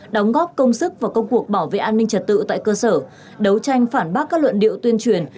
đóng góp công sức và công cuộc bảo vệ an ninh trật tự tại cơ sở đấu tranh phản bác các luận điệu tuyên truyền